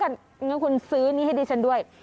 อย่างงั้นคุณซื้อนี่ให้ดีชั้นด้วย